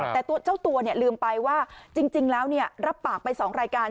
แต่เจ้าตัวลืมไปว่าจริงแล้วรับปากไป๒รายการ